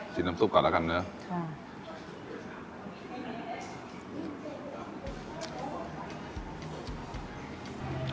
ชิมน้ำตุ๊บก่อนแล้วกันเนอะค่ะ